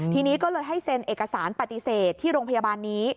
ทีนี้ก็เลยให้เซ็นเอกสารปฏิเสธที่โรงพยาบาลนี้